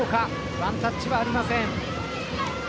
ワンタッチはありません。